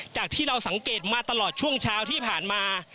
จากที่เราสังเกตมาตลอดช่วงเช้าที่ผ่านมา